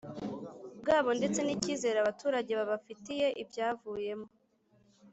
bwabo ndetse n icyizere abaturage babafitiye Ibyavuyemo